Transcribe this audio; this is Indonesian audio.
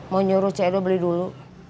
mau nyuruh cendo beli dulu